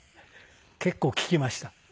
結構聴きました。